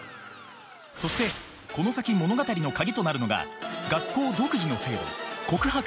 そしてこの先物語の鍵となるのが学校独自の制度「告白カード」。